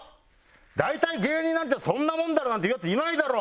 「大体芸人なんてそんなもんだろ」なんて言うヤツいないだろ！